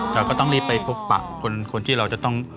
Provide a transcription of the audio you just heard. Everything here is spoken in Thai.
เราก็ต้องรีบไปพบปะคนที่เราจะต้อง